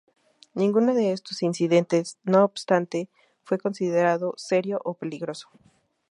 Ninguno de estos incidentes, no obstante, fue considerado serio o peligroso.